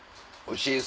おいしい。